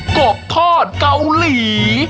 กบทอดเกาหลี